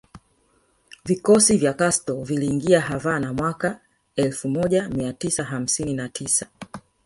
Vikosi vya Castro viliingia Havana mwaka elfu moja mia tisa hamsini na tisa